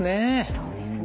そうですね。